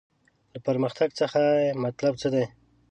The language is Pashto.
له پرمختګ څخه یې مطلب څه دی.